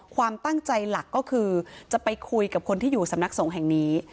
ความตั้งใจหลักก็คือจะไปคุยกับคนที่อยู่สำนักสงฆ์แห่งนี้